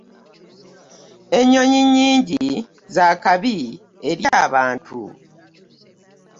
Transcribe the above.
Ennyonyi nyingi z'akabi eri abantu.